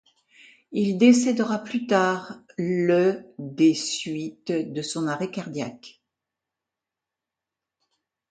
Il décèdera plus tard, le des suites de son arrêt cardiaque.